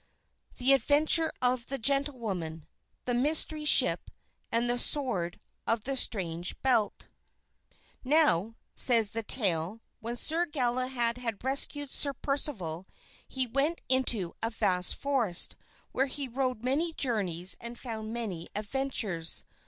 The Adventure of the Gentlewoman, the Mysterious Ship, and the Sword of the Strange Belt Now, says the tale, when Sir Galahad had rescued Sir Percival, he went into a vast forest, where he rode many journeys and found many adventures.